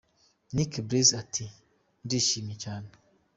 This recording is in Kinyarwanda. Nick Breezy ati “ Ndishimye cyane.